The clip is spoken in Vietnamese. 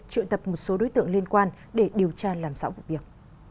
truy tập một số đối tượng liên quan để điều tra làm rõ vụ việc